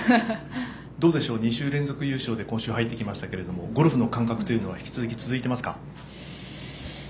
どうでしょう、２週連続優勝で今週入ってきていますけどゴルフの感覚というのは引き続き、続いていますか。